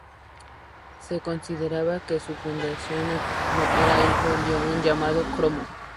Se consideraba que su fundador epónimo era un hijo de Licaón llamado Cromo.